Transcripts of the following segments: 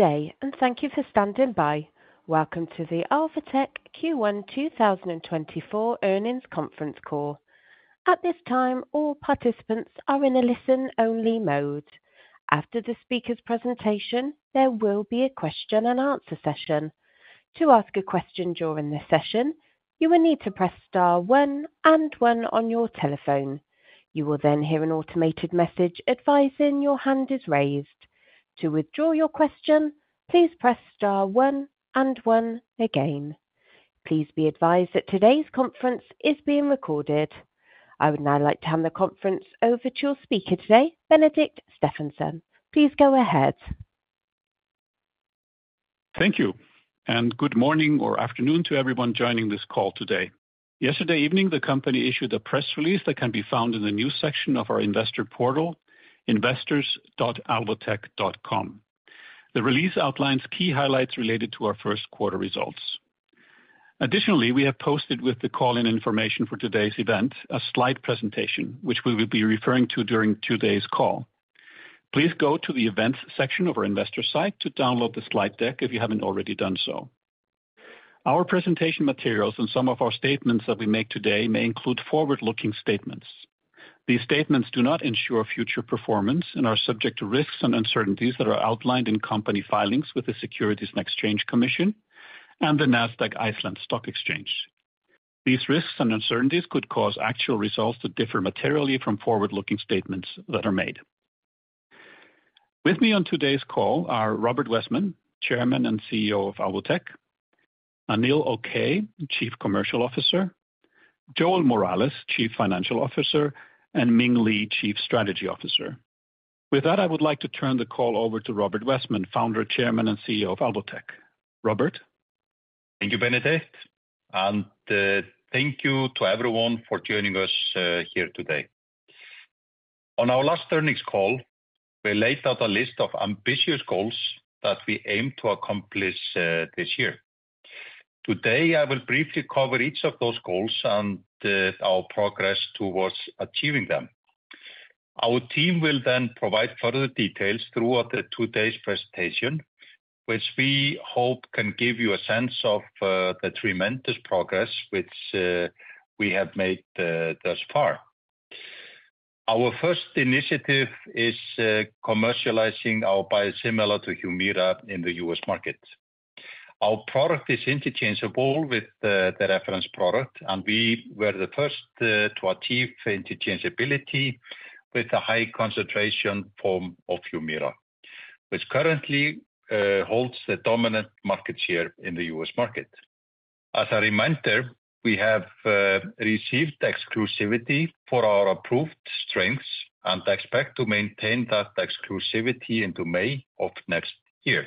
Good day, and thank you for standing by. Welcome to the Alvotech Q1 2024 Earnings Conference Call. At this time, all participants are in a listen-only mode. After the speaker's presentation, there will be a question and answer session. To ask a question during the session, you will need to press star one and one on your telephone. You will then hear an automated message advising your hand is raised. To withdraw your question, please press star one and one again. Please be advised that today's conference is being recorded. I would now like to hand the conference over to your speaker today, Benedikt Stefansson. Please go ahead. Thank you, and good morning or afternoon to everyone joining this call today. Yesterday evening, the company issued a press release that can be found in the new section of our investor portal, investors.alvotech.com. The release outlines key highlights related to our first quarter results. Additionally, we have posted with the call-in information for today's event, a slide presentation, which we will be referring to during today's call. Please go to the events section of our investor site to download the slide deck if you haven't already done so. Our presentation materials and some of our statements that we make today may include forward-looking statements. These statements do not ensure future performance and are subject to risks and uncertainties that are outlined in company filings with the Securities and Exchange Commission and the Nasdaq Iceland Stock Exchange. These risks and uncertainties could cause actual results to differ materially from forward-looking statements that are made. With me on today's call are Robert Wessman, Chairman and CEO of Alvotech, Anil Okay, Chief Commercial Officer, Joel Morales, Chief Financial Officer, and Ming Li, Chief Strategy Officer. With that, I would like to turn the call over to Robert Wessman, founder, Chairman, and CEO of Alvotech. Robert? Thank you, Benedikt, and thank you to everyone for joining us here today. On our last earnings call, we laid out a list of ambitious goals that we aim to accomplish this year. Today, I will briefly cover each of those goals and our progress towards achieving them. Our team will then provide further details throughout today's presentation, which we hope can give you a sense of the tremendous progress which we have made thus far. Our first initiative is commercializing our biosimilar to Humira in the U.S. market. Our product is interchangeable with the reference product, and we were the first to achieve interchangeability with a high concentration form of Humira, which currently holds the dominant market share in the U.S. market. As a reminder, we have received exclusivity for our approved strengths and expect to maintain that exclusivity into May of next year.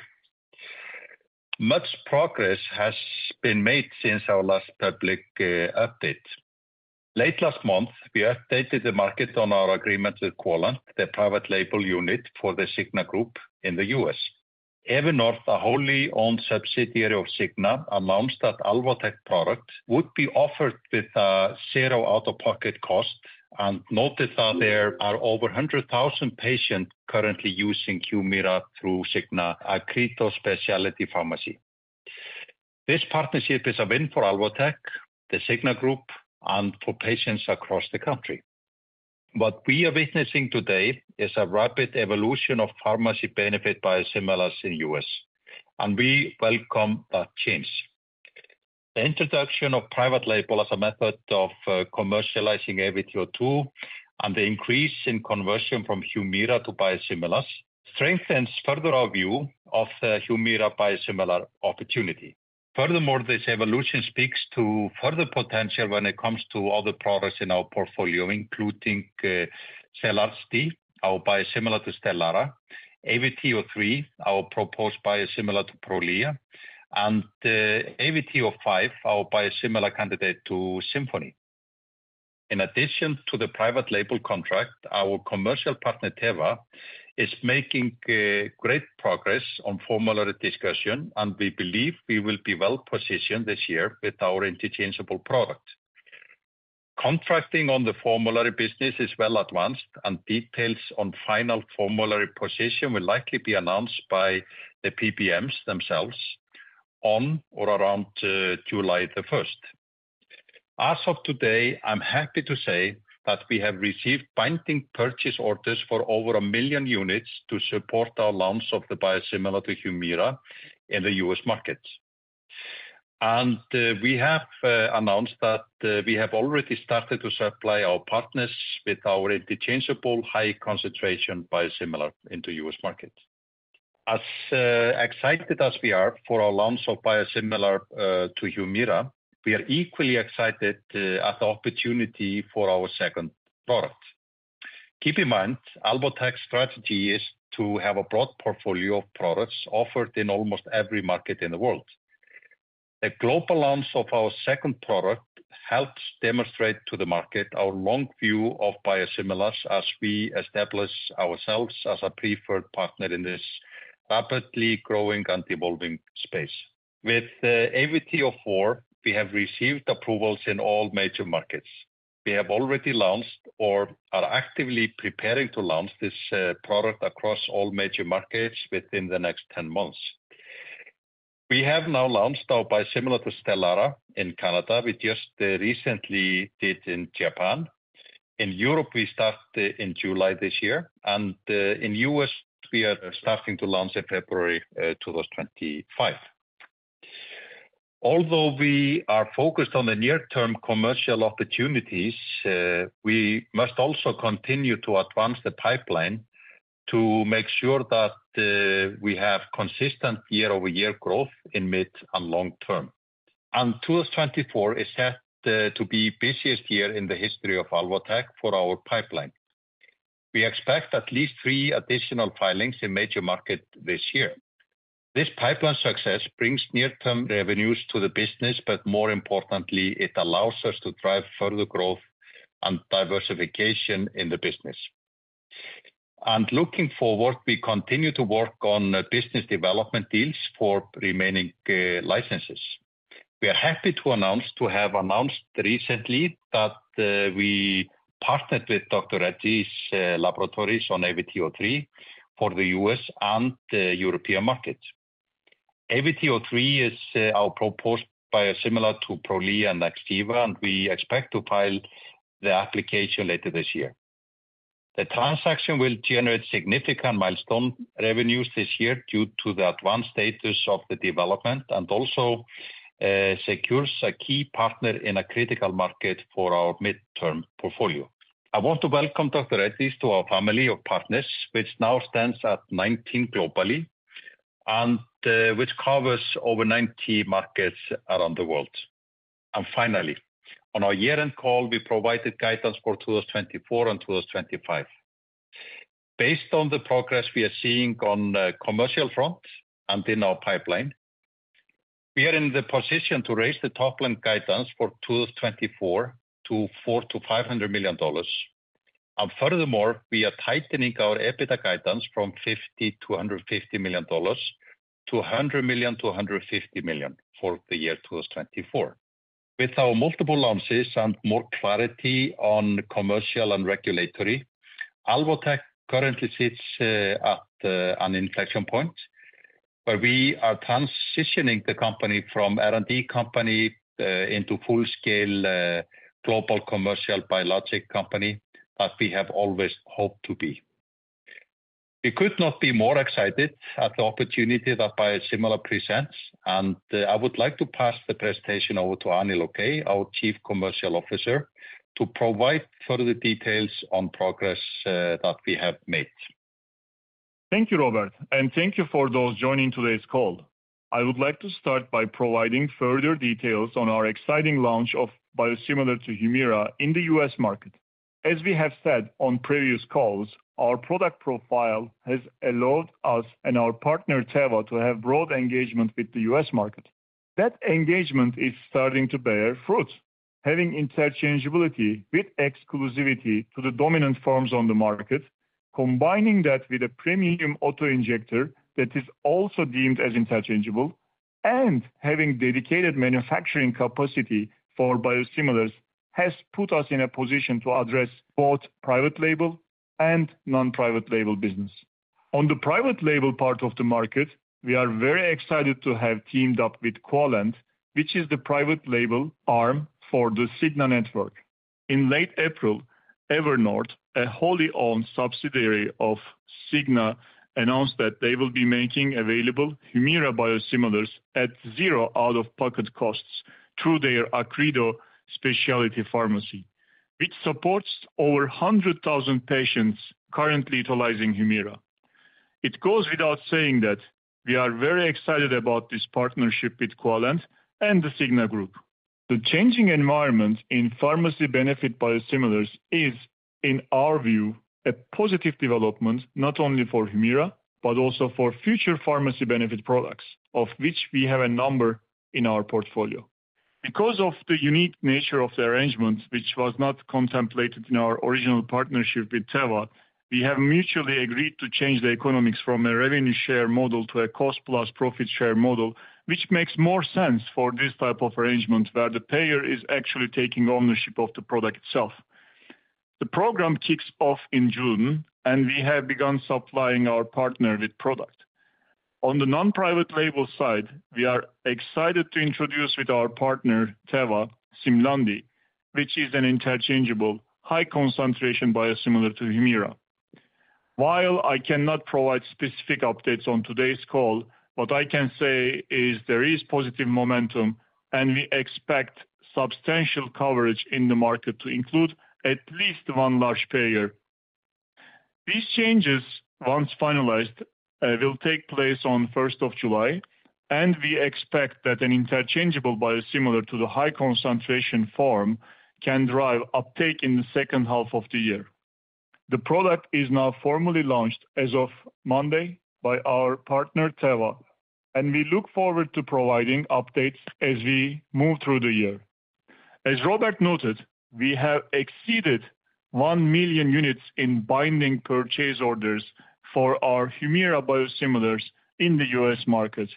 Much progress has been made since our last public update. Late last month, we updated the market on our agreement with Quallent, the private label unit for the Cigna Group in the U.S. Evernorth, a wholly owned subsidiary of Cigna, announced that Alvotech product would be offered with zero out-of-pocket costs, and noted that there are over 100,000 patients currently using Humira through Cigna Accredo Specialty Pharmacy. This partnership is a win for Alvotech, the Cigna Group, and for patients across the country. What we are witnessing today is a rapid evolution of pharmacy benefit biosimilars in the U.S., and we welcome that change. The introduction of private label as a method of commercializing AVT-02 and the increase in conversion from Humira to biosimilars strengthens further our view of the Humira biosimilar opportunity. Furthermore, this evolution speaks to further potential when it comes to other products in our portfolio, including Selarsdi, our biosimilar to Stelara, AVT-03, our proposed biosimilar to Prolia, and AVT-05, our biosimilar candidate to Simponi. In addition to the private label contract, our commercial partner, Teva, is making great progress on formulary discussion, and we believe we will be well positioned this year with our interchangeable product. Contracting on the formulary business is well advanced, and details on final formulary position will likely be announced by the PBMs themselves on or around July the first. As of today, I'm happy to say that we have received binding purchase orders for over 1 million units to support our launch of the biosimilar to Humira in the U.S. market. And, we have announced that we have already started to supply our partners with our interchangeable high concentration biosimilar into U.S. market. As excited as we are for our launch of biosimilar to Humira, we are equally excited at the opportunity for our second product. Keep in mind, Alvotech's strategy is to have a broad portfolio of products offered in almost every market in the world. A global launch of our second product helps demonstrate to the market our long view of biosimilars as we establish ourselves as a preferred partner in this rapidly growing and evolving space. With the AVT-04, we have received approvals in all major markets. We have already launched or are actively preparing to launch this product across all major markets within the next 10 months. We have now launched our biosimilar to Stelara in Canada. We just recently did in Japan. In Europe, we start in July this year, and in U.S., we are starting to launch in February 2025. Although we are focused on the near-term commercial opportunities, we must also continue to advance the pipeline to make sure that we have consistent year-over-year growth in mid and long term. 2024 is set to be busiest year in the history of Alvotech for our pipeline. We expect at least 3 additional filings in major market this year. This pipeline success brings near-term revenues to the business, but more importantly, it allows us to drive further growth and diversification in the business. Looking forward, we continue to work on business development deals for remaining licenses. We are happy to have announced recently that we partnered with Dr. Reddy's Laboratories on AVT-03 for the U.S. and European markets. AVT-03 is our proposed biosimilar to Prolia and Xgeva, and we expect to file the application later this year. The transaction will generate significant milestone revenues this year due to the advanced status of the development and also secures a key partner in a critical market for our midterm portfolio. I want to welcome Dr. Reddy's to our family of partners, which now stands at 19 globally, and which covers over 90 markets around the world. Finally, on our year-end call, we provided guidance for 2024 and 2025. Based on the progress we are seeing on the commercial front and in our pipeline, we are in the position to raise the top-line guidance for 2024 to $400 million-$500 million. Furthermore, we are tightening our EBITDA guidance from $50 million-$150 million to $100 million-$150 million for the year 2024. With our multiple launches and more clarity on commercial and regulatory, Alvotech currently sits at an inflection point, where we are transitioning the company from R&D company into full-scale global commercial biologic company, as we have always hoped to be. We could not be more excited at the opportunity that biosimilar presents, and, I would like to pass the presentation over to Anil Okay, our Chief Commercial Officer, to provide further details on progress, that we have made. Thank you, Robert, and thank you for those joining today's call. I would like to start by providing further details on our exciting launch of biosimilar to Humira in the U.S. market. As we have said on previous calls, our product profile has allowed us and our partner, Teva, to have broad engagement with the U.S. market. That engagement is starting to bear fruit. Having interchangeability with exclusivity to the dominant firms on the market, combining that with a premium auto-injector that is also deemed as interchangeable, and having dedicated manufacturing capacity for biosimilars, has put us in a position to address both private label and non-private label business. On the private label part of the market, we are very excited to have teamed up with Quallent, which is the private label arm for the Cigna network. In late April, Evernorth, a wholly-owned subsidiary of Cigna, announced that they will be making available Humira biosimilars at zero out-of-pocket costs through their Accredo specialty pharmacy, which supports over 100,000 patients currently utilizing Humira. It goes without saying that we are very excited about this partnership with Quallent and the Cigna Group. The changing environment in pharmacy benefit biosimilars is, in our view, a positive development, not only for Humira, but also for future pharmacy benefit products, of which we have a number in our portfolio. Because of the unique nature of the arrangement, which was not contemplated in our original partnership with Teva, we have mutually agreed to change the economics from a revenue share model to a cost-plus profit share model, which makes more sense for this type of arrangement, where the payer is actually taking ownership of the product itself. The program kicks off in June, and we have begun supplying our partner with product. On the non-private label side, we are excited to introduce with our partner, Teva, Simlandi, which is an interchangeable high-concentration biosimilar to Humira. While I cannot provide specific updates on today's call, what I can say is there is positive momentum, and we expect substantial coverage in the market to include at least one large payer. These changes, once finalized, will take place on first of July, and we expect that an interchangeable biosimilar to the high-concentration form can drive uptake in the second half of the year. The product is now formally launched as of Monday by our partner, Teva, and we look forward to providing updates as we move through the year. As Robert noted, we have exceeded 1 million units in binding purchase orders for our Humira biosimilars in the U.S. market...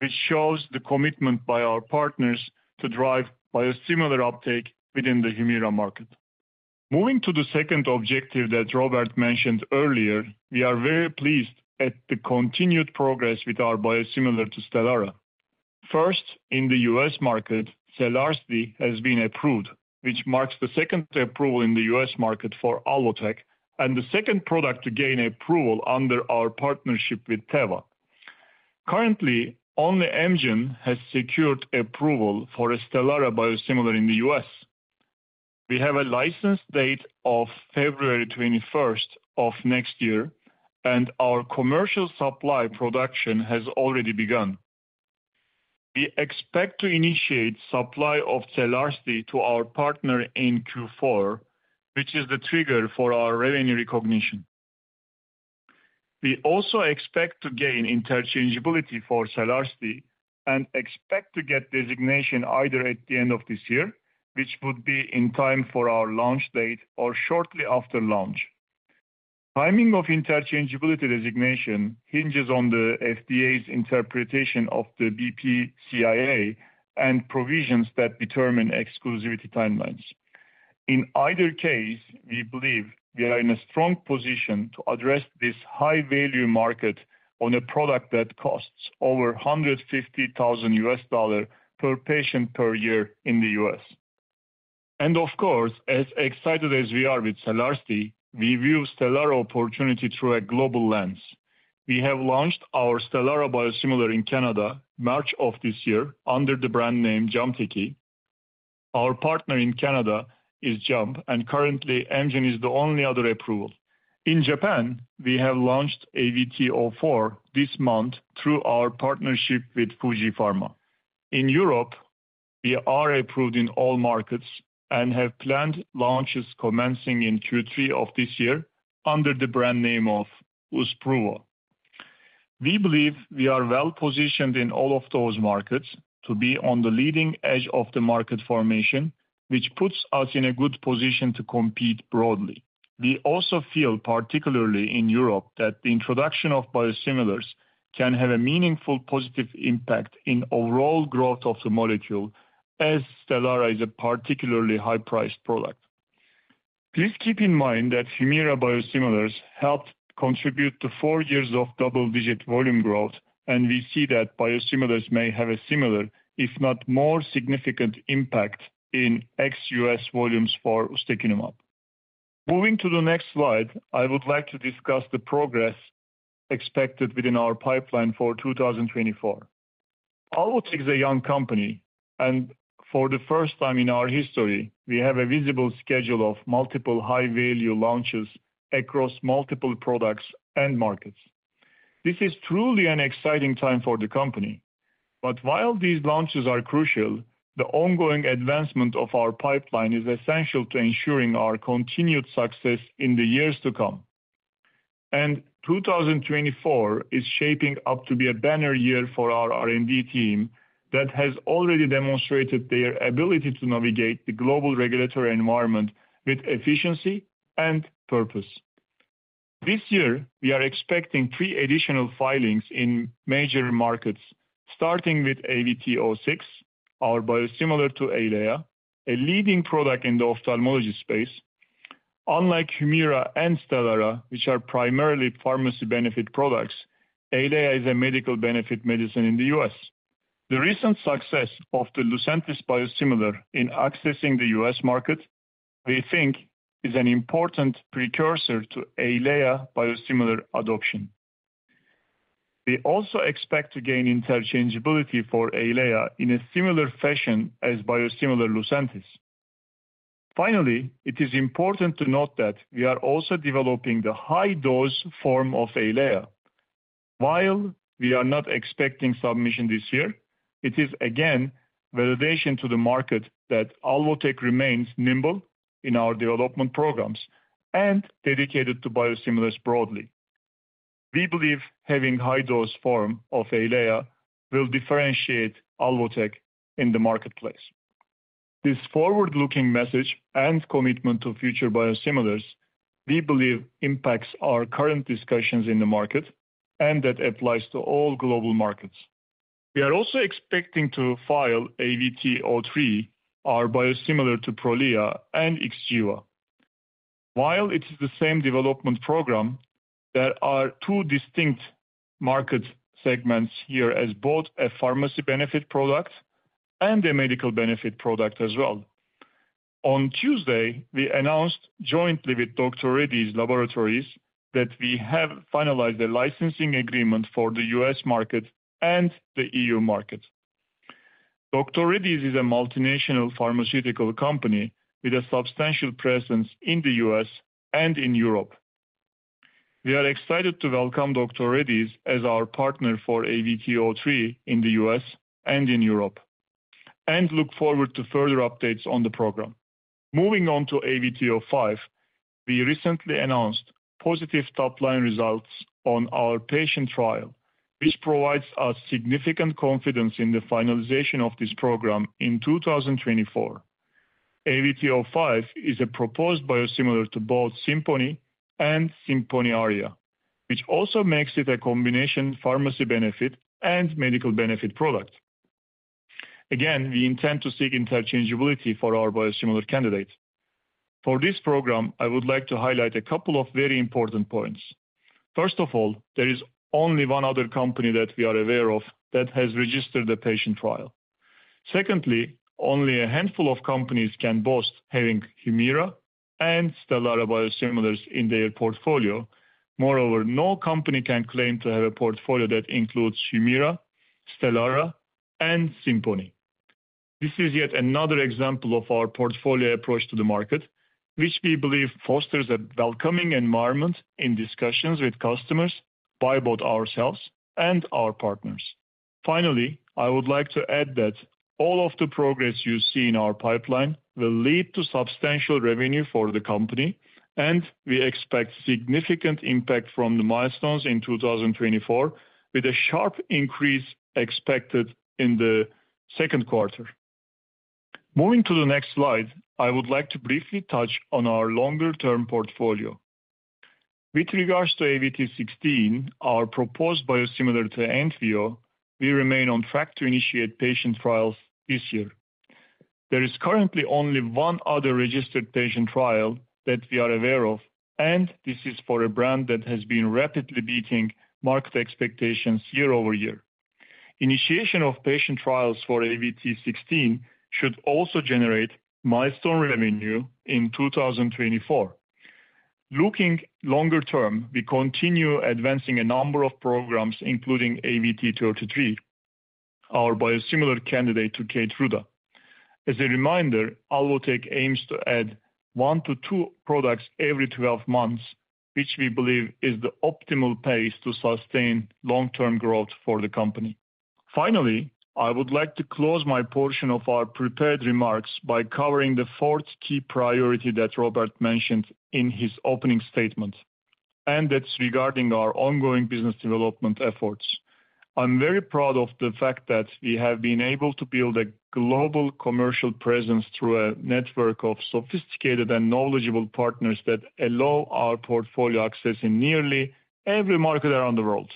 which shows the commitment by our partners to drive biosimilar uptake within the Humira market. Moving to the second objective that Robert mentioned earlier, we are very pleased at the continued progress with our biosimilar to Stelara. First, in the U.S. market, Selarsdi has been approved, which marks the second approval in the U.S. market for Alvotech, and the second product to gain approval under our partnership with Teva. Currently, only Amgen has secured approval for a Stelara biosimilar in the U.S. We have a license date of February 21 of next year, and our commercial supply production has already begun. We expect to initiate supply of Selarsdi to our partner in Q4, which is the trigger for our revenue recognition. We also expect to gain interchangeability for Selarsdi, and expect to get designation either at the end of this year, which would be in time for our launch date or shortly after launch. Timing of interchangeability designation hinges on the FDA's interpretation of the BPCIA and provisions that determine exclusivity timelines. In either case, we believe we are in a strong position to address this high-value market on a product that costs over $150,000 per patient per year in the US. And of course, as excited as we are with Selarsdi, we view Stelara opportunity through a global lens. We have launched our Stelara biosimilar in Canada, March of this year, under the brand name Jamteci. Our partner in Canada is Jamp, and currently, Amgen is the only other approval. In Japan, we have launched AVT-04 this month through our partnership with Fuji Pharma. In Europe, we are approved in all markets and have planned launches commencing in Q3 of this year under the brand name of Uzpruvo. We believe we are well-positioned in all of those markets to be on the leading edge of the market formation, which puts us in a good position to compete broadly. We also feel, particularly in Europe, that the introduction of biosimilars can have a meaningful positive impact in overall growth of the molecule, as Stelara is a particularly high-priced product. Please keep in mind that Humira biosimilars helped contribute to four years of double-digit volume growth, and we see that biosimilars may have a similar, if not more significant, impact in ex-US volumes for ustekinumab. Moving to the next slide, I would like to discuss the progress expected within our pipeline for 2024. Alvotech is a young company, and for the first time in our history, we have a visible schedule of multiple high-value launches across multiple products and markets. This is truly an exciting time for the company. But while these launches are crucial, the ongoing advancement of our pipeline is essential to ensuring our continued success in the years to come. 2024 is shaping up to be a banner year for our R&D team that has already demonstrated their ability to navigate the global regulatory environment with efficiency and purpose. This year, we are expecting 3 additional filings in major markets, starting with AVT-06, our biosimilar to Eylea, a leading product in the ophthalmology space. Unlike Humira and Stelara, which are primarily pharmacy benefit products, Eylea is a medical benefit medicine in the U.S. The recent success of the Lucentis biosimilar in accessing the U.S. market, we think, is an important precursor to Eylea biosimilar adoption. We also expect to gain interchangeability for Eylea in a similar fashion as biosimilar Lucentis. Finally, it is important to note that we are also developing the high-dose form of Eylea. While we are not expecting submission this year, it is, again, validation to the market that Alvotech remains nimble in our development programs and dedicated to biosimilars broadly. We believe having high-dose form of Eylea will differentiate Alvotech in the marketplace. This forward-looking message and commitment to future biosimilars, we believe, impacts our current discussions in the market, and that applies to all global markets. We are also expecting to file AVT-03, our biosimilar to Prolia and Xgeva. While it is the same development program, there are two distinct market segments here as both a pharmacy benefit product and a medical benefit product as well. On Tuesday, we announced jointly with Dr. Reddy's Laboratories, that we have finalized a licensing agreement for the U.S. market and the EU market. Dr. Reddy's is a multinational pharmaceutical company with a substantial presence in the U.S. and in Europe. We are excited to welcome Dr. Reddy's as our partner for AVT-03 in the U.S. and in Europe, and look forward to further updates on the program. Moving on to AVT-05, we recently announced positive top-line results on our patient trial, which provides us significant confidence in the finalization of this program in 2024. AVT-05 is a proposed biosimilar to both Simponi and Simponi Aria, which also makes it a combination pharmacy benefit and medical benefit product. Again, we intend to seek interchangeability for our biosimilar candidate. For this program, I would like to highlight a couple of very important points. First of all, there is only one other company that we are aware of that has registered a patient trial. Secondly, only a handful of companies can boast having Humira and Stelara biosimilars in their portfolio. Moreover, no company can claim to have a portfolio that includes Humira, Stelara, and Simponi. This is yet another example of our portfolio approach to the market, which we believe fosters a welcoming environment in discussions with customers by both ourselves and our partners. Finally, I would like to add that all of the progress you see in our pipeline will lead to substantial revenue for the company, and we expect significant impact from the milestones in 2024, with a sharp increase expected in the second quarter. Moving to the next slide, I would like to briefly touch on our longer-term portfolio. With regards to AVT-16, our proposed biosimilar to Entyvio, we remain on track to initiate patient trials this year. There is currently only one other registered patient trial that we are aware of, and this is for a brand that has been rapidly beating market expectations year-over-year. Initiation of patient trials for AVT-16 should also generate milestone revenue in 2024. Looking longer term, we continue advancing a number of programs, including AVT-33, our biosimilar candidate to Keytruda. As a reminder, Alvotech aims to add one to two products every 12 months, which we believe is the optimal pace to sustain long-term growth for the company. Finally, I would like to close my portion of our prepared remarks by covering the fourth key priority that Robert mentioned in his opening statement, and that's regarding our ongoing business development efforts. I'm very proud of the fact that we have been able to build a global commercial presence through a network of sophisticated and knowledgeable partners that allow our portfolio access in nearly every market around the world.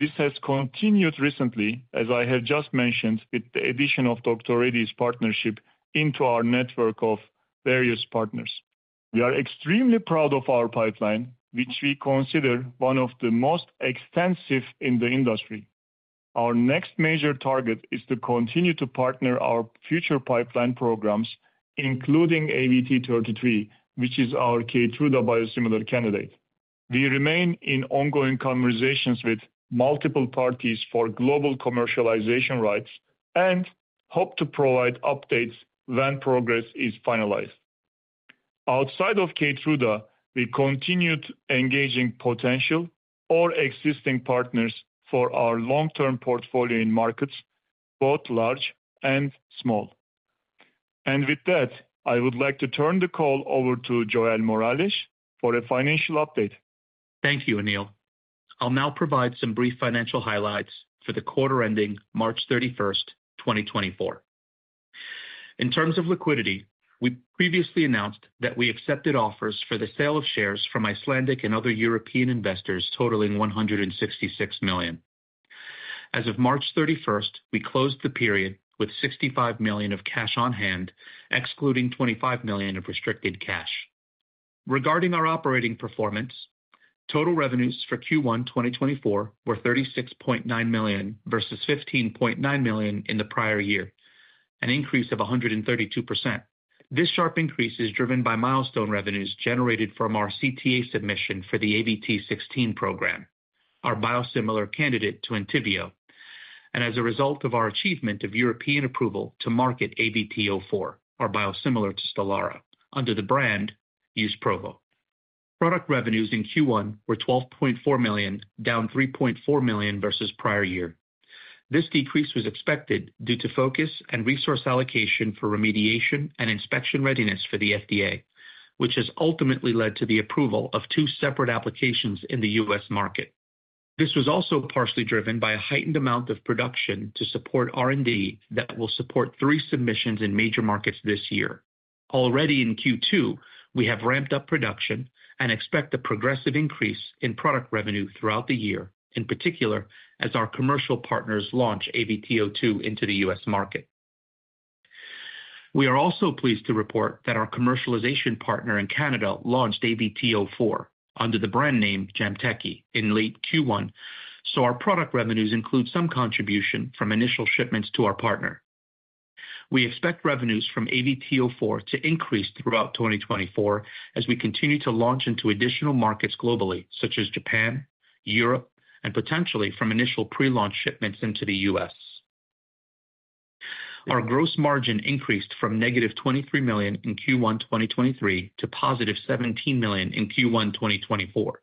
This has continued recently, as I have just mentioned, with the addition of Dr. Reddy's partnership into our network of various partners. We are extremely proud of our pipeline, which we consider one of the most extensive in the industry. Our next major target is to continue to partner our future pipeline programs, including AVT-33, which is our Keytruda biosimilar candidate. We remain in ongoing conversations with multiple parties for global commercialization rights and hope to provide updates when progress is finalized. Outside of Keytruda, we continued engaging potential or existing partners for our long-term portfolio in markets both large and small. And with that, I would like to turn the call over to Joel Morales for a financial update. Thank you, Anil. I'll now provide some brief financial highlights for the quarter ending March 31, 2024. In terms of liquidity, we previously announced that we accepted offers for the sale of shares from Icelandic and other European investors, totaling $166 million. As of March 31, we closed the period with $65 million of cash on hand, excluding $25 million of restricted cash. Regarding our operating performance, total revenues for Q1, 2024 were $36.9 million versus $15.9 million in the prior year, an increase of 132%. This sharp increase is driven by milestone revenues generated from our CTA submission for the AVT-16 program, our biosimilar candidate to Entyvio, and as a result of our achievement of European approval to market AVT-04, our biosimilar to Stelara, under the brand Uzpruvo. Product revenues in Q1 were $12.4 million, down $3.4 million versus prior year. This decrease was expected due to focus and resource allocation for remediation and inspection readiness for the FDA, which has ultimately led to the approval of two separate applications in the U.S. market. This was also partially driven by a heightened amount of production to support R&D that will support three submissions in major markets this year. Already in Q2, we have ramped up production and expect a progressive increase in product revenue throughout the year, in particular, as our commercial partners launch AVT-02 into the U.S. market. We are also pleased to report that our commercialization partner in Canada launched AVT-04 under the brand name Jamteci in late Q1, so our product revenues include some contribution from initial shipments to our partner. We expect revenues from AVT-04 to increase throughout 2024 as we continue to launch into additional markets globally, such as Japan, Europe, and potentially from initial pre-launch shipments into the US. Our gross margin increased from -$23 million in Q1 2023, to $17 million in Q1 2024,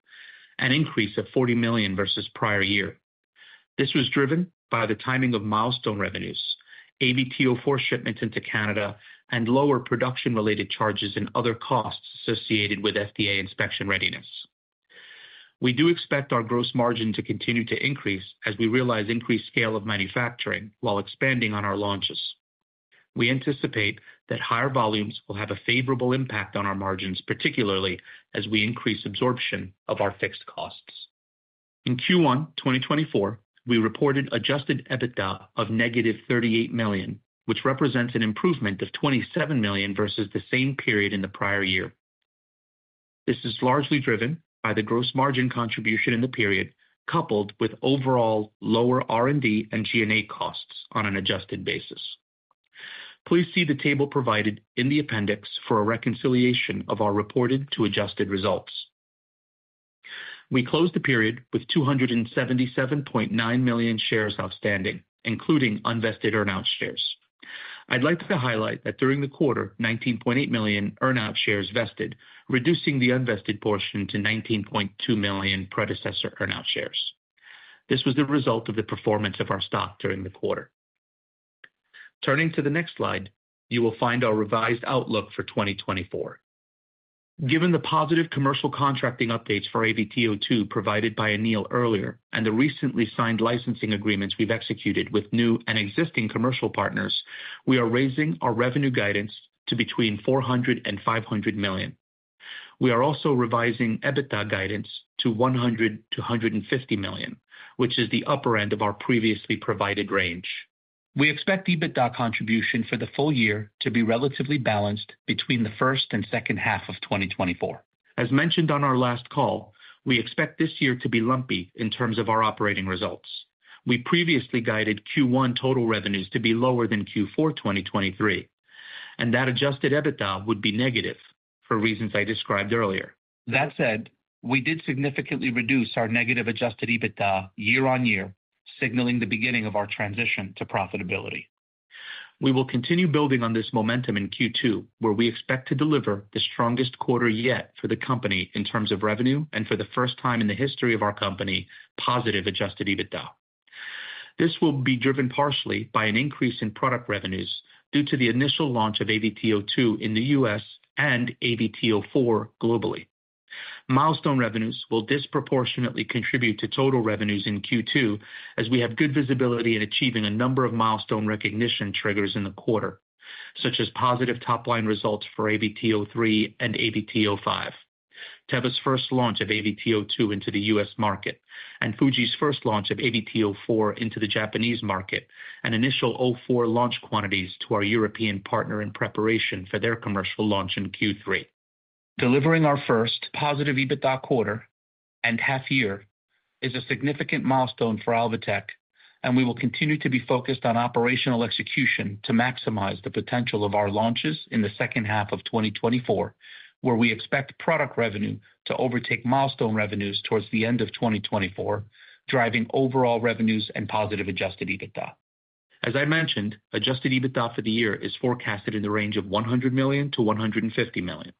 an increase of $40 million versus prior year. This was driven by the timing of milestone revenues, AVT-04 shipments into Canada, and lower production-related charges and other costs associated with FDA inspection readiness.... We do expect our gross margin to continue to increase as we realize increased scale of manufacturing while expanding on our launches. We anticipate that higher volumes will have a favorable impact on our margins, particularly as we increase absorption of our fixed costs. In Q1 2024, we reported adjusted EBITDA of -$38 million, which represents an improvement of $27 million versus the same period in the prior year. This is largely driven by the gross margin contribution in the period, coupled with overall lower R&D and G&A costs on an adjusted basis. Please see the table provided in the appendix for a reconciliation of our reported to adjusted results. We closed the period with 277.9 million shares outstanding, including unvested earn-out shares. I'd like to highlight that during the quarter, 19.8 million earn-out shares vested, reducing the unvested portion to 19.2 million predecessor earn-out shares. This was the result of the performance of our stock during the quarter. Turning to the next slide, you will find our revised outlook for 2024. Given the positive commercial contracting updates for AVT-02 provided by Anil earlier and the recently signed licensing agreements we've executed with new and existing commercial partners, we are raising our revenue guidance to between $400 million and $500 million. We are also revising EBITDA guidance to $100 million-$150 million, which is the upper end of our previously provided range. We expect EBITDA contribution for the full year to be relatively balanced between the first and second half of 2024. As mentioned on our last call, we expect this year to be lumpy in terms of our operating results. We previously guided Q1 total revenues to be lower than Q4 2023, and that adjusted EBITDA would be negative for reasons I described earlier. That said, we did significantly reduce our negative adjusted EBITDA year-over-year, signaling the beginning of our transition to profitability. We will continue building on this momentum in Q2, where we expect to deliver the strongest quarter yet for the company in terms of revenue and for the first time in the history of our company, positive adjusted EBITDA. This will be driven partially by an increase in product revenues due to the initial launch of AVT-02 in the US and AVT-04 globally. Milestone revenues will disproportionately contribute to total revenues in Q2, as we have good visibility in achieving a number of milestone recognition triggers in the quarter, such as positive top-line results for AVT-03 and AVT-05. Teva's first launch of AVT-02 into the US market and Fuji's first launch of AVT-04 into the Japanese market, and initial AVT-04 launch quantities to our European partner in preparation for their commercial launch in Q3. Delivering our first positive EBITDA quarter and half year is a significant milestone for Alvotech, and we will continue to be focused on operational execution to maximize the potential of our launches in the second half of 2024, where we expect product revenue to overtake milestone revenues towards the end of 2024, driving overall revenues and positive adjusted EBITDA. As I mentioned, adjusted EBITDA for the year is forecasted in the range of $100 million-$150 million.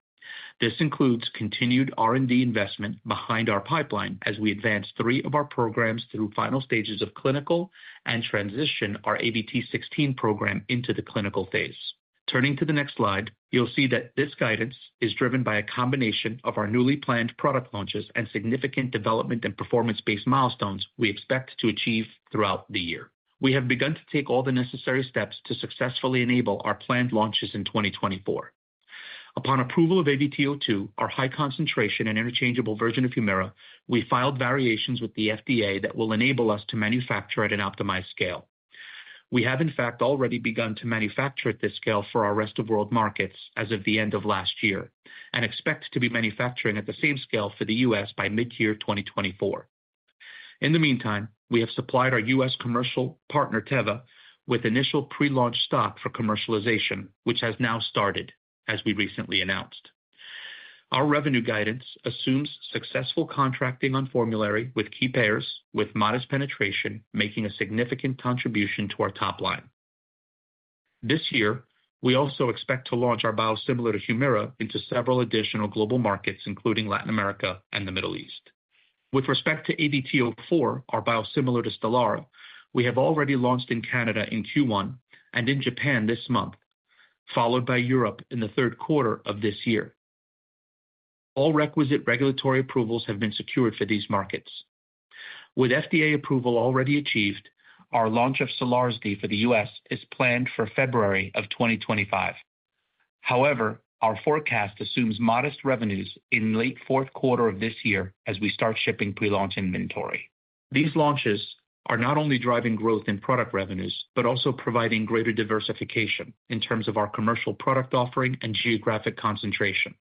This includes continued R&D investment behind our pipeline as we advance three of our programs through final stages of clinical and transition our AVT-16 program into the clinical phase. Turning to the next slide, you'll see that this guidance is driven by a combination of our newly planned product launches and significant development and performance-based milestones we expect to achieve throughout the year. We have begun to take all the necessary steps to successfully enable our planned launches in 2024. Upon approval of AVT-02, our high concentration and interchangeable version of Humira, we filed variations with the FDA that will enable us to manufacture at an optimized scale. We have, in fact, already begun to manufacture at this scale for our rest-of-world markets as of the end of last year and expect to be manufacturing at the same scale for the U.S. by mid-year 2024. In the meantime, we have supplied our U.S. commercial partner, Teva, with initial pre-launch stock for commercialization, which has now started, as we recently announced. Our revenue guidance assumes successful contracting on formulary with key payers, with modest penetration, making a significant contribution to our top line. This year, we also expect to launch our biosimilar to Humira into several additional global markets, including Latin America and the Middle East. With respect to AVT-04, our biosimilar to Stelara, we have already launched in Canada in Q1 and in Japan this month, followed by Europe in the third quarter of this year. All requisite regulatory approvals have been secured for these markets. With FDA approval already achieved, our launch of Stelara for the U.S. is planned for February 2025. However, our forecast assumes modest revenues in late fourth quarter of this year as we start shipping pre-launch inventory. These launches are not only driving growth in product revenues, but also providing greater diversification in terms of our commercial product offering and geographic concentration.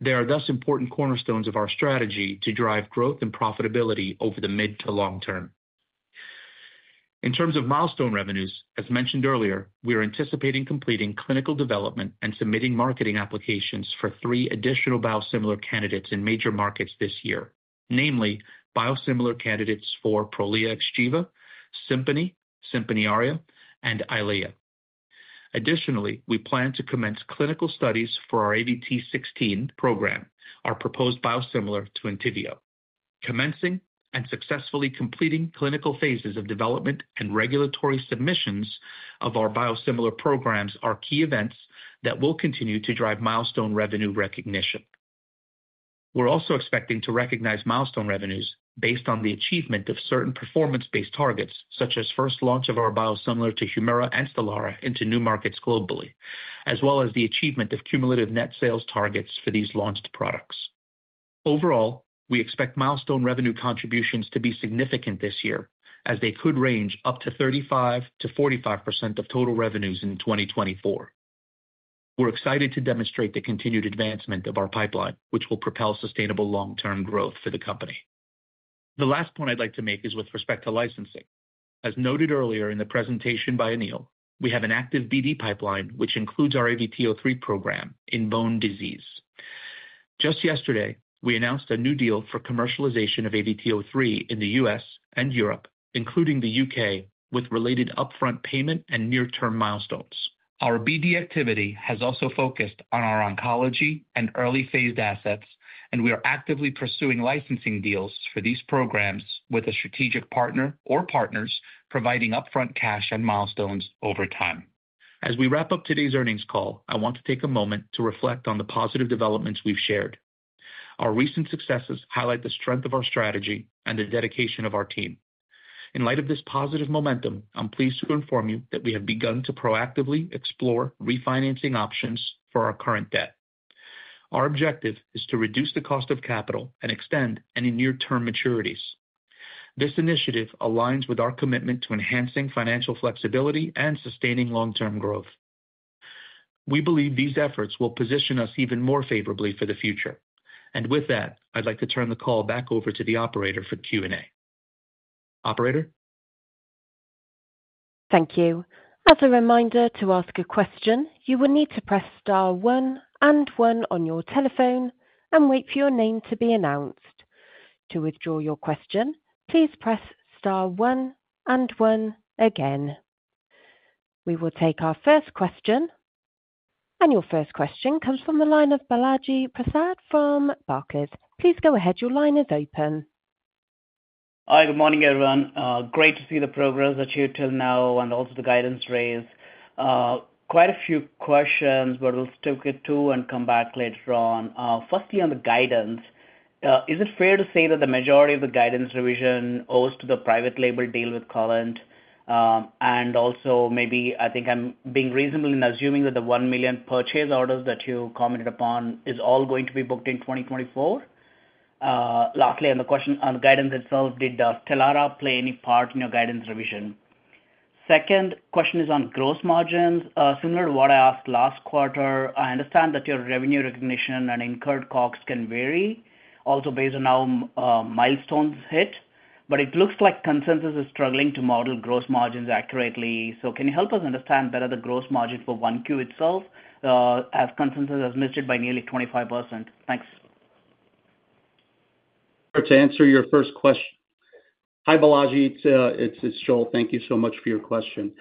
They are thus important cornerstones of our strategy to drive growth and profitability over the mid to long term. In terms of milestone revenues, as mentioned earlier, we are anticipating completing clinical development and submitting marketing applications for 3 additional biosimilar candidates in major markets this year, namely biosimilar candidates for Prolia/Xgeva, Simponi, Simponi Aria, and Eylea. Additionally, we plan to commence clinical studies for our AVT-16 program, our proposed biosimilar to Entyvio. Commencing and successfully completing clinical phases of development and regulatory submissions of our biosimilar programs are key events that will continue to drive milestone revenue recognition. We're also expecting to recognize milestone revenues based on the achievement of certain performance-based targets, such as first launch of our biosimilar to Humira and Stelara into new markets globally, as well as the achievement of cumulative net sales targets for these launched products. Overall, we expect milestone revenue contributions to be significant this year, as they could range up to 35%-45% of total revenues in 2024. We're excited to demonstrate the continued advancement of our pipeline, which will propel sustainable long-term growth for the company. The last point I'd like to make is with respect to licensing. As noted earlier in the presentation by Anil, we have an active BD pipeline, which includes our AVT-03 program in bone disease. Just yesterday, we announced a new deal for commercialization of AVT-03 in the U.S. and Europe, including the U.K., with related upfront payment and near-term milestones. Our BD activity has also focused on our oncology and early phase assets, and we are actively pursuing licensing deals for these programs with a strategic partner or partners, providing upfront cash and milestones over time. As we wrap up today's earnings call, I want to take a moment to reflect on the positive developments we've shared. Our recent successes highlight the strength of our strategy and the dedication of our team. In light of this positive momentum, I'm pleased to inform you that we have begun to proactively explore refinancing options for our current debt. Our objective is to reduce the cost of capital and extend any near-term maturities. This initiative aligns with our commitment to enhancing financial flexibility and sustaining long-term growth. We believe these efforts will position us even more favorably for the future. With that, I'd like to turn the call back over to the operator for Q&A. Operator? Thank you. As a reminder, to ask a question, you will need to press star one and one on your telephone and wait for your name to be announced. To withdraw your question, please press star one and one again. We will take our first question. Your first question comes from the line of Balaji Prasad from Barclays. Please go ahead. Your line is open. Hi, good morning, everyone. Great to see the progress achieved till now and also the guidance raised. Quite a few questions, but we'll stick to it and come back later on. Firstly, on the guidance, is it fair to say that the majority of the guidance revision owes to the private label deal with Quallent? And also, maybe I think I'm being reasonable in assuming that the 1 million purchase orders that you commented upon is all going to be booked in 2024. Lastly, on the question on the guidance itself, did Stelara play any part in your guidance revision? Second question is on gross margins. Similar to what I asked last quarter, I understand that your revenue recognition and incurred costs can vary, also based on how milestones hit, but it looks like consensus is struggling to model gross margins accurately. So can you help us understand better the gross margin for 1Q itself, as consensus has missed it by nearly 25%? Thanks. To answer your first question... Hi, Balaji, it's Joel. Thank you so much for your question.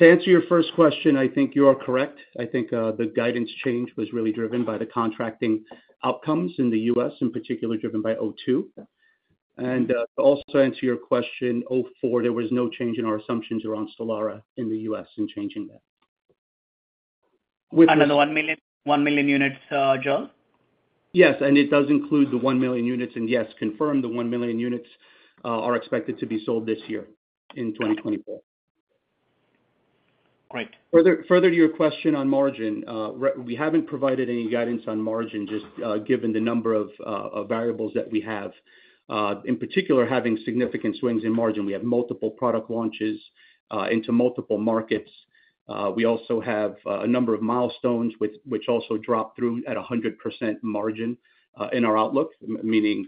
To answer your first question, I think you are correct. I think the guidance change was really driven by the contracting outcomes in the U.S., in particular, driven by O2. And to also answer your question, O4, there was no change in our assumptions around Stelara in the U.S. in changing that. The 1 million, 1 million units, Joel? Yes, and it does include the 1 million units, and yes, confirm the 1 million units are expected to be sold this year, in 2024. Great. Further to your question on margin, we haven't provided any guidance on margin, just given the number of variables that we have. In particular, having significant swings in margin. We have multiple product launches into multiple markets. We also have a number of milestones, which also drop through at 100% margin, in our outlook, meaning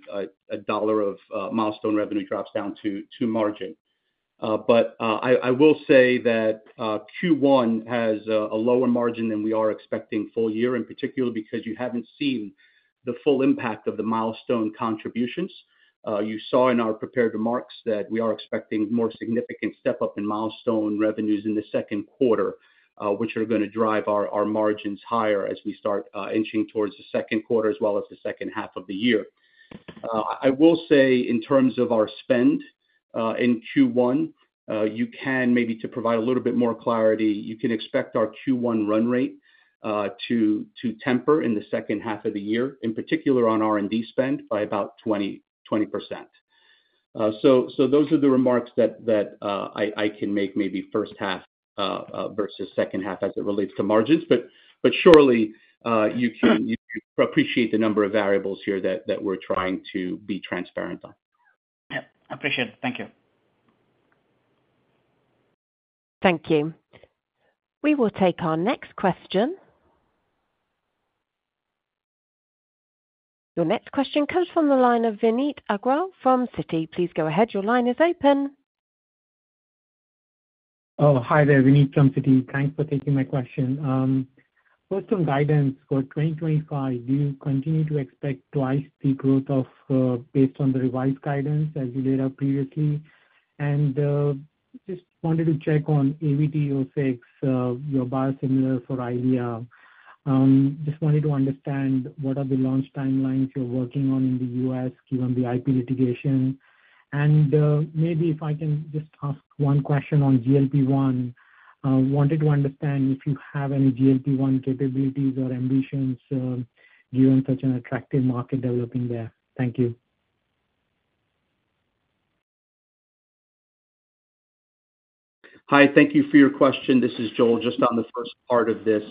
$1 of milestone revenue drops down to margin. But I will say that Q1 has a lower margin than we are expecting full year, in particular, because you haven't seen the full impact of the milestone contributions. You saw in our prepared remarks that we are expecting more significant step-up in milestone revenues in the second quarter, which are gonna drive our margins higher as we start inching towards the second quarter, as well as the second half of the year. I will say, in terms of our spend in Q1, you can maybe to provide a little bit more clarity, you can expect our Q1 run rate to temper in the second half of the year, in particular on R&D spend, by about 20%. So those are the remarks that I can make maybe first half versus second half as it relates to margins. But surely, you can appreciate the number of variables here that we're trying to be transparent on. Yep, appreciate it. Thank you. Thank you. We will take our next question. Your next question comes from the line of Vineet Agarwal from Citi. Please go ahead. Your line is open. Oh, hi there, Vineet from Citi. Thanks for taking my question. First on guidance for 2025, do you continue to expect twice the growth of, based on the revised guidance as you laid out previously? And, just wanted to check on AVT-06, your biosimilar for Eylea. Just wanted to understand what are the launch timelines you're working on... US given the IP litigation. And, maybe if I can just ask one question on GLP-1. Wanted to understand if you have any GLP-1 capabilities or ambitions, given such an attractive market developing there. Thank you. Hi, thank you for your question. This is Joel. Just on the first part of this,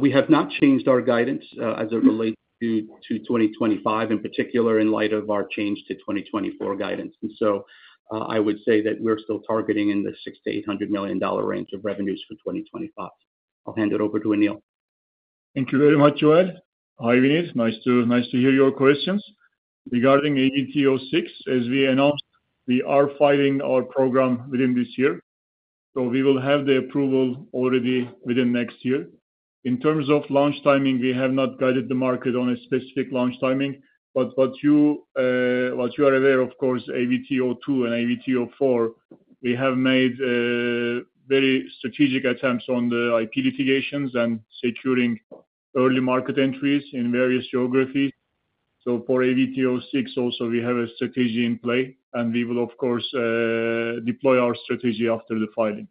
we have not changed our guidance, as it relates to 2025, in particular in light of our change to 2024 guidance. And so, I would say that we're still targeting in the $600 million-$800 million range of revenues for 2025. I'll hand it over to Anil. Thank you very much, Joel. Hi, Vineet, nice to, nice to hear your questions. Regarding AVT-06, as we announced, we are filing our program within this year, so we will have the approval already within next year. In terms of launch timing, we have not guided the market on a specific launch timing, but what you, what you are aware, of course, AVT-02 and AVT-04, we have made, very strategic attempts on the IP litigations and securing early market entries in various geographies. So for AVT-06 also, we have a strategy in play, and we will of course, deploy our strategy after the filing.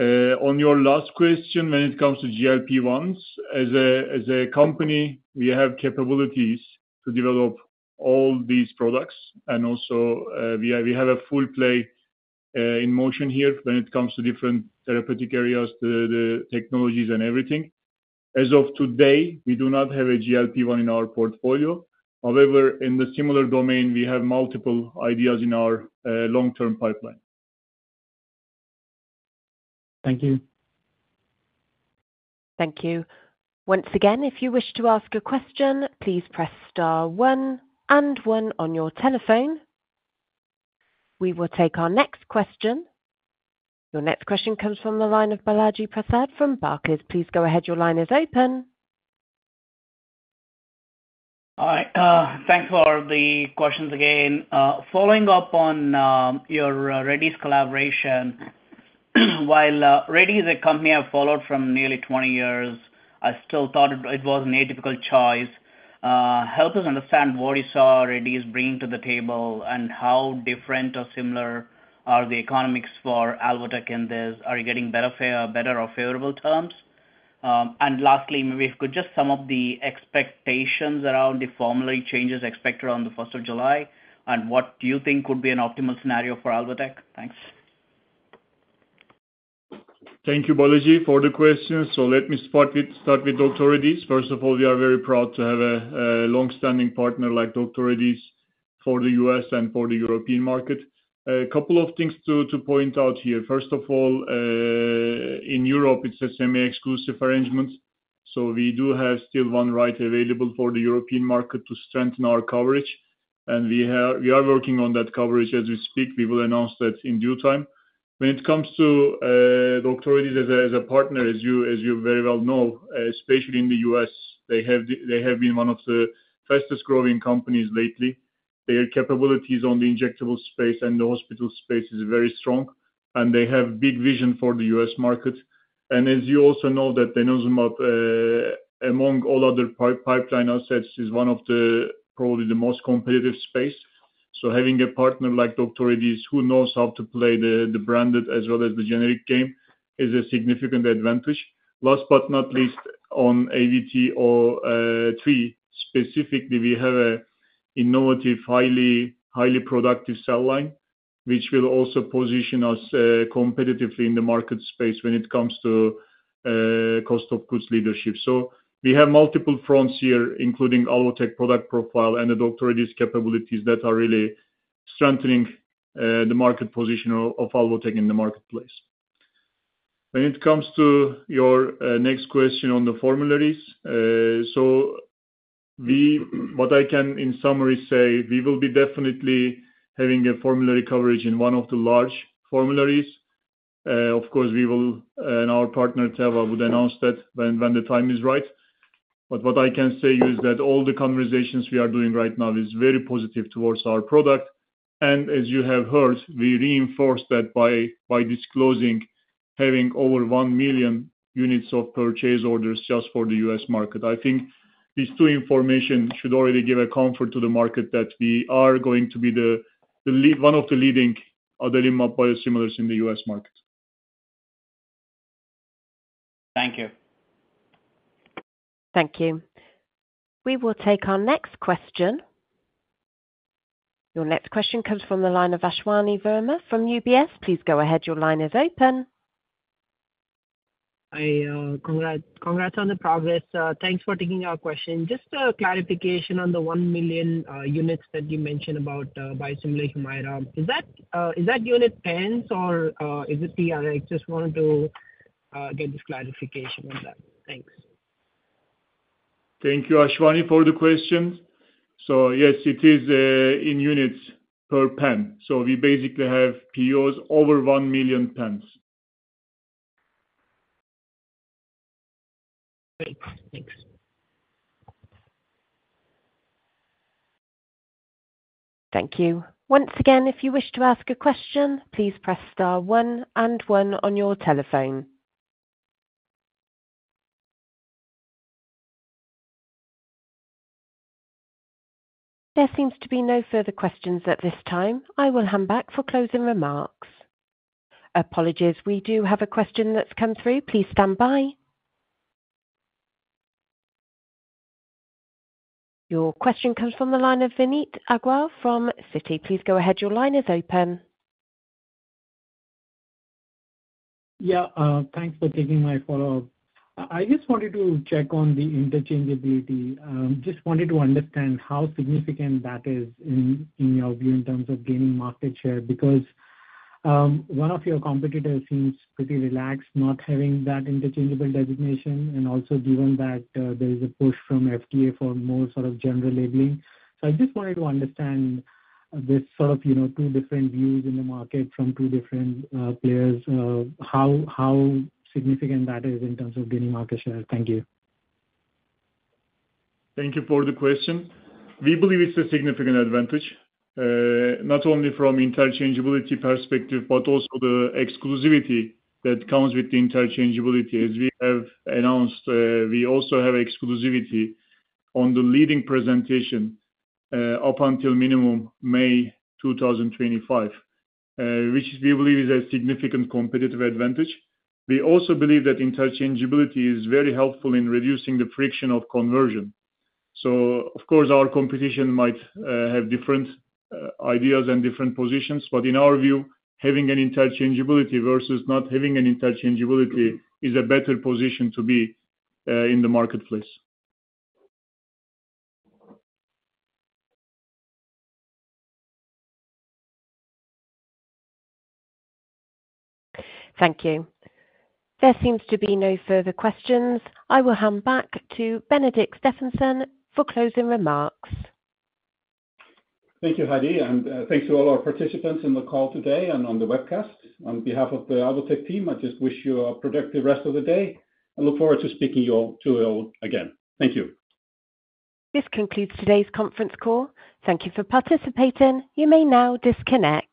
On your last question, when it comes to GLP-1s, as a company, we have capabilities to develop all these products and also, we have a full play in motion here when it comes to different therapeutic areas, the technologies and everything. As of today, we do not have a GLP-1 in our portfolio. However, in the similar domain, we have multiple ideas in our long-term pipeline. Thank you. Thank you. Once again, if you wish to ask a question, please press star one and one on your telephone. We will take our next question. Your next question comes from the line of Balaji Prasad from Barclays. Please go ahead. Your line is open. Hi, thanks for the questions again. Following up on your Reddy's collaboration, while Reddy is a company I've followed for nearly 20 years, I still thought it was an atypical choice. Help us understand what you saw Reddy's bringing to the table, and how different or similar are the economics for Alvotech in this? Are you getting better or favorable terms? And lastly, maybe if you could just sum up the expectations around the formulary changes expected on the first of July, and what do you think could be an optimal scenario for Alvotech? Thanks. Thank you, Balaji, for the question. So let me start with Dr. Reddy's. First of all, we are very proud to have a long-standing partner like Dr. Reddy's for the US and for the European market. A couple of things to point out here. First of all, in Europe, it's a semi-exclusive arrangement, so we do have still one right available for the European market to strengthen our coverage, and we are working on that coverage as we speak. We will announce that in due time. When it comes to Dr. Reddy's as a partner, as you very well know, especially in the US, they have been one of the fastest growing companies lately. Their capabilities on the injectable space and the hospital space is very strong, and they have big vision for the U.S. market. And as you also know, that denosumab, among all other pipeline assets, is one of the... probably the most competitive space. So having a partner like Dr. Reddy's, who knows how to play the branded as well as the generic game, is a significant advantage. Last but not least, on AVT-03, specifically, we have a innovative, highly, highly productive cell line, which will also position us, competitively in the market space when it comes to, cost of goods leadership. So we have multiple fronts here, including Alvotech product profile and the Dr. Reddy's capabilities that are really strengthening, the market position of, of Alvotech in the marketplace. When it comes to your next question on the formularies, what I can in summary say, we will be definitely having a formulary coverage in one of the large formularies. Of course, we will, and our partner, Teva, would announce that when the time is right. But what I can say is that all the conversations we are doing right now is very positive towards our product. And as you have heard, we reinforce that by disclosing having over 1 million units of purchase orders just for the US market. I think these two information should already give a comfort to the market that we are going to be one of the leading adalimumab biosimilars in the US market. Thank you. Thank you. We will take our next question. Your next question comes from the line of Ashwani Verma from UBS. Please go ahead. Your line is open. I, congrats, congrats on the progress. Thanks for taking our question. Just a clarification on the 1 million units that you mentioned about biosimilar Humira. Is that unit pens or is it TRx? Just wanted to get this clarification on that. Thanks. Thank you, Ashwani, for the question. So yes, it is in units per pen. So we basically have POs over 1,000,000 pens. Great. Thanks.... Thank you. Once again, if you wish to ask a question, please press star one and one on your telephone. There seems to be no further questions at this time. I will hand back for closing remarks. Apologies, we do have a question that's come through. Please stand by. Your question comes from the line of Vineet Agarwal from Citi. Please go ahead. Your line is open. Yeah, thanks for taking my follow-up. I just wanted to check on the interchangeability. Just wanted to understand how significant that is in your view in terms of gaining market share. Because one of your competitors seems pretty relaxed, not having that interchangeable designation, and also given that there is a push from FDA for more sort of general labeling. So I just wanted to understand this sort of, you know, two different views in the market from two different players. How significant that is in terms of gaining market share? Thank you. Thank you for the question. We believe it's a significant advantage, not only from interchangeability perspective, but also the exclusivity that comes with the interchangeability. As we have announced, we also have exclusivity on the leading presentation, up until minimum May 2025, which we believe is a significant competitive advantage. We also believe that interchangeability is very helpful in reducing the friction of conversion. So of course, our competition might have different ideas and different positions, but in our view, having an interchangeability versus not having an interchangeability is a better position to be in the marketplace. Thank you. There seems to be no further questions. I will hand back to Benedikt Stefansson for closing remarks. Thank you, Heidi, and thanks to all our participants in the call today and on the webcast. On behalf of the Alvotech team, I just wish you a productive rest of the day, and look forward to speaking to you all again. Thank you. This concludes today's conference call. Thank you for participating. You may now disconnect.